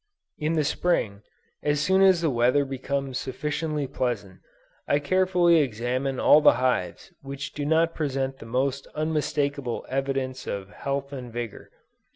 In the Spring, as soon as the weather becomes sufficiently pleasant, I carefully examine all the hives which do not present the most unmistakable evidences of health and vigor.